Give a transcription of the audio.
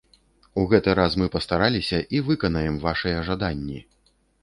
У гэты раз мы пастараліся і выканаем вашыя жаданні!